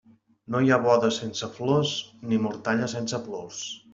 No hi ha boda sense flors ni mortalla sense plors.